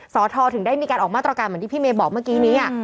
ถึงได้มีการออกมาตรการเหมือนที่พี่เมย์บอกเมื่อกี้นี้